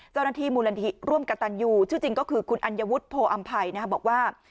เจ้าหน้าที่มูลนิธิร่วมกับตันยูชื่อจริงก็คือคุณอัญวุฒิโพออำภัยบอกว่า